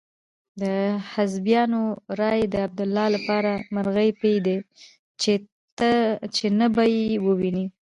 د حزبیانو رایې د عبدالله لپاره مرغۍ پۍ دي چې نه به يې وویني.